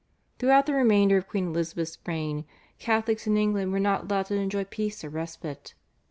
Throughout the remainder of Queen Elizabeth's reign Catholics in England were not allowed to enjoy peace or respite.